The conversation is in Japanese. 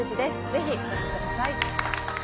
ぜひご覧ください